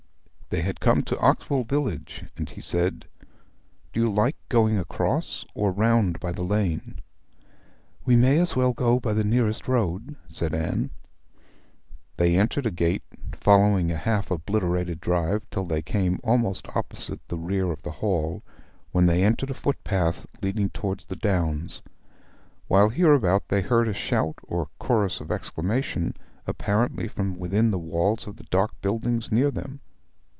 They had come to Oxwell park gate, and he said, 'Do you like going across, or round by the lane?' 'We may as well go by the nearest road,' said Anne. They entered the park, following the half obliterated drive till they came almost opposite the hall, when they entered a footpath leading on to the village. While hereabout they heard a shout, or chorus of exclamation, apparently from within the walls of the dark buildings near them.